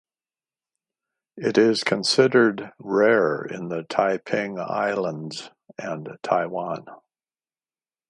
It is considered rare in the Taiping Islands and Taiwan.